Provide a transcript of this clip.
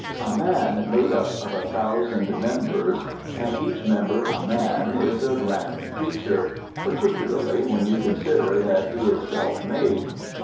A man made up of a thousand members and each member a man is a grand creature, particularly when you consider that he is self made.